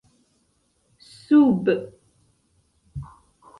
sub